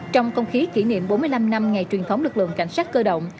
trong không khí kỷ niệm bốn mươi năm năm ngày truyền thống lực lượng cảnh sát cơ động